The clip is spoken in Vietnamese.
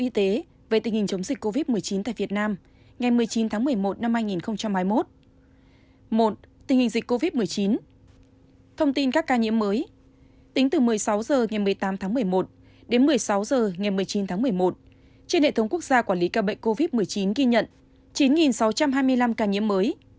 trên hệ thống quốc gia quản lý ca bệnh covid một mươi chín ghi nhận chín sáu trăm hai mươi năm ca nhiễm mới